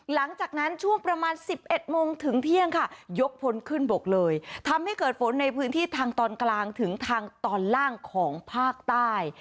หลังจากนั้นช่วงประมาณ๑๑โมงถึงเที่ยงค่ะยกพ้นขึ้นบกเลยทำให้เกิดฝนในพื้นที่ทางตอนกลางถึงทางตอนล่างของภาคใต้